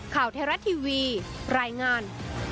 ข่าวไทยรัฐทีวีรายงาน